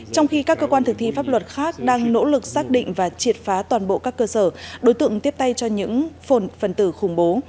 trong khi các cơ quan thực thi pháp luật khác đang nỗ lực xác định và triệt phá toàn bộ các cơ sở đối tượng tiếp tay cho những phần tử khủng bố